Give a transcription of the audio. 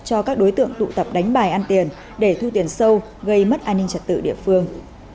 cho các đối tượng tụ tập đánh bài ăn tiền để thu tiền sâu gây mất an ninh trật tự địa phương